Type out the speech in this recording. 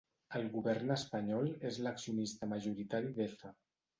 El Govern espanyol és l'accionista majoritari d'Efe.